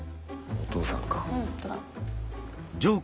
お父さん。